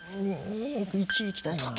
１位いきたいな。